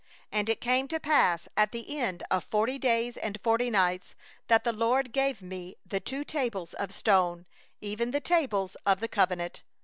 11And it came to pass at the end of forty days and forty nights, that the LORD gave me the two tables of stone, even the tables of the covenant.